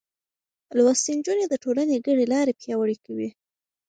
لوستې نجونې د ټولنې ګډې لارې پياوړې کوي.